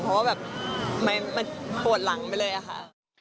เพราะว่าแบบมันปวดหลังไปเลยอะค่ะ